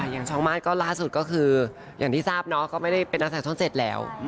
อย่างช้องมาสล่าสุดก็คืออย่างที่ทราบน้องก็ไม่ได้เป็นนักแสงช่องเศษแล้ว